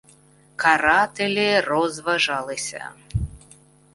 Карателі розважалися.